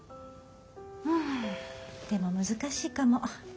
んでも難しいかも。